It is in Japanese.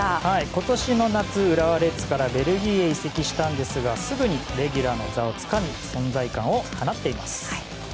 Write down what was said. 今年の夏、浦和レッズからベルギーへ移籍したんですがすぐにレギュラーの座をつかみ存在感を放っています。